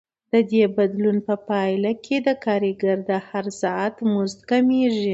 د دې بدلون په پایله کې د کارګر د هر ساعت مزد کمېږي